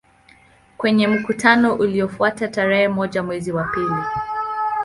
Kwenye mkutano uliofuata tarehe moja mwezi wa pili